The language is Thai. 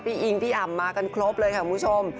พี่อิงพี่อ่ำมากันครบเลยเมื่อกี้